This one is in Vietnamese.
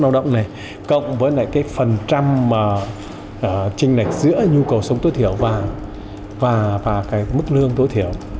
lao động này cộng với lại cái phần trăm mà trinh lệch giữa nhu cầu sống tối thiểu và cái mức lương tối thiểu